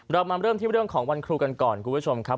เรามาเริ่มที่เรื่องของวันครูกันก่อนคุณผู้ชมครับ